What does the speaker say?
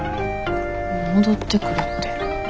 戻ってくるって？